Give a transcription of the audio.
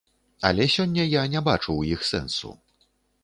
Але сёння я не бачу ў іх сэнсу.